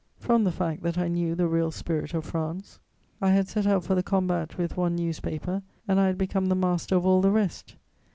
From the fact that I knew the real spirit of France. I had set out for the combat with one newspaper, and I had become the master of all the rest.